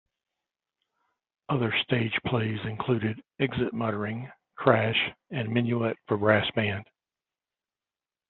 Other stage plays included "Exit Muttering", "Crash", and "Minuet for Brass Band".